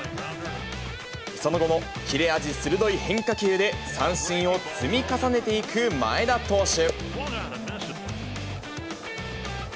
その後も切れ味鋭い変化球で三振を積み重ねていく前田投手。